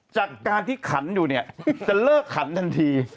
ไม่เอาเดี๋ยวนี้แทอจะพูดให้มันด่าน